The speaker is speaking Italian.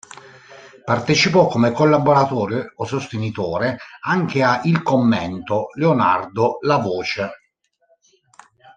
Partecipò come collaboratore o sostenitore anche a "Il Commento", "Leonardo", "La Voce".